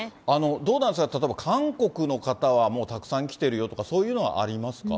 どうなんですか、例えば韓国の方はもうたくさん来てるよとか、そういうのはありますか？